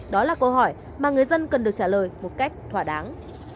đó là câu hỏi mà người dân cần được trả lời một cách thỏa đáng